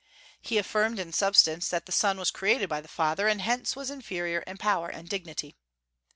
He affirmed, in substance, that the Son was created by the Father, and hence was inferior in power and dignity.